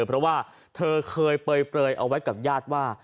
เพราะว่าเธอเคยเปลยเอาไว้กับญาติว่า